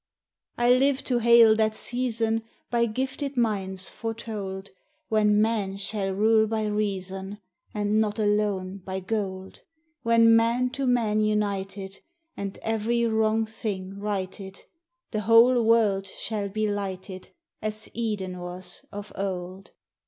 I live to hail that season, By gifted minds foretold, When men shall rule by reason, And not alone by gold; FAITH: MOPE}: L()\ E: SERVICE. 187 When man to man united, And every wrong thing righted, The whole world shall be lighted As Eden was of old.